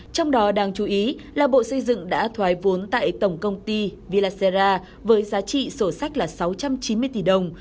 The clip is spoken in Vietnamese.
trong đó đáng chú ý là bộ xây dựng đã thoái vốn tại tổng công ty villacera với giá trị sổ sách là sáu trăm chín mươi tỷ đồng